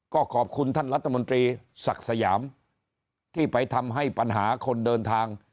ก็ขอบคุณท่านรัฐมนตรีศักดิ์สยามที่ไปทำให้ปัญหาคนเดินทาง